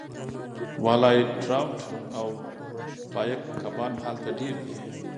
والای ټراوټ او پایک کبان هلته ډیر دي